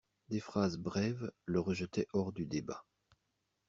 Des phrases brèves le rejetaient hors du débat.